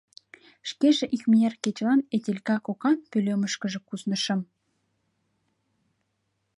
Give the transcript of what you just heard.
Шкеже икмыняр кечылан Этелька кокан пӧлемышкыже куснышым.